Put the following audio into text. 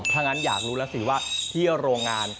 ถ้างั้นอยากรู้แล้วสิว่าที่โรงงาน